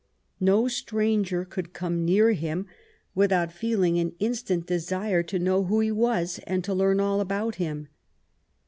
No stranger could come near him without feeling an instant desire to know who he was and to learn all about him.